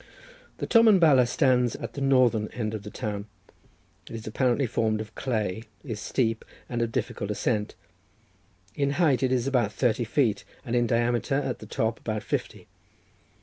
The Tomen Bala stands at the northern end of the town. It is apparently formed of clay, is steep and of difficult ascent. In height it is about thirty feet, and in diameter at the top about fifty.